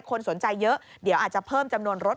คนสนใจเยอะเดี๋ยวอาจจะเพิ่มจำนวนรถ